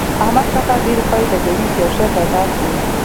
احمد سږ کال ډېرې خوې لګوي چي يو شی پيدا کړي.